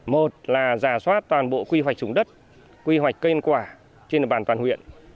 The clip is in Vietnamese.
một là giả soát toàn bộ quy hoạch súng đất quy hoạch cây quả trên nội bản toàn huyện